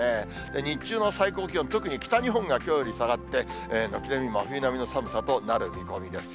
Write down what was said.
日中の最高気温、特に北日本がきょうより下がって、軒並み真冬並みの寒さとなる見込みですよ。